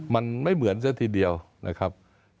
มันไม่เหมือนซะทีเดียวนะครับ